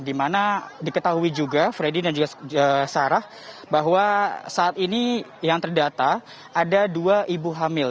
di mana diketahui juga freddy dan juga sarah bahwa saat ini yang terdata ada dua ibu hamil